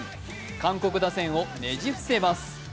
韓国打線をねじ伏せます。